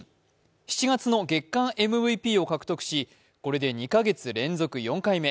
７月の月間ＭＶＰを獲得しこれで２か月連続４回目。